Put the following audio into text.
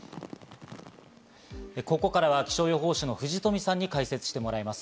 ここからは気象予報士の藤富さんに解説してもらいます。